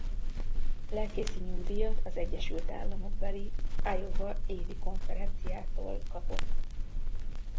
Lelkészi nyugdíjat az Egyesült Államokbeli Iowa Évi Konferenciától kapott.